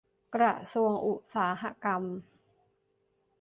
กระทรวงอุตสาหกรรม